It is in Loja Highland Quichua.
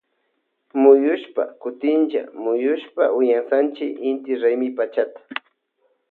Muyushpa kutinlla muyushpa uyansanchi inti raymi pachata.